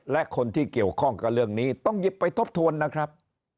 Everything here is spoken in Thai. และคนที่เกี่ยวข้องกับเรื่องนี้ต้องหยิบไปทบทวนนะครับ